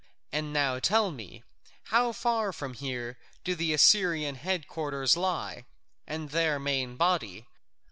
And now tell me, how far from here do the Assyrian headquarters lie, and their main body?"